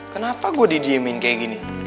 kenapa gue didiemin kayak gini